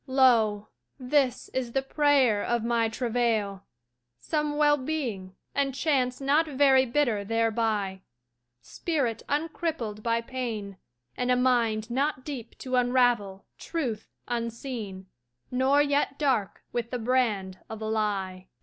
Lo, this is the prayer of my travail Some well being; and chance not very bitter thereby; Spirit uncrippled by pain; and a mind not deep to unravel Truth unseen, nor yet dark with the brand of a lie.